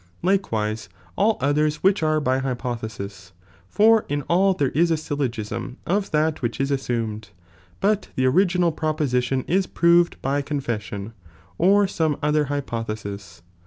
Likewise all others wjiicli are by hypothesis, for in all there is a syllogism of that which ia assumed,' but the original proposition is proved by con fession, or soma other hypothesis.